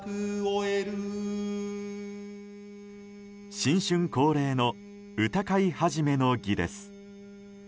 新春恒例の歌会始の儀です。